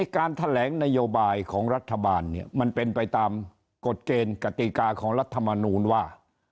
การแถลงนโยบายของรัฐบาลเนี่ยมันเป็นไปตามกฎเกณฑ์กติกาของรัฐมนูลว่า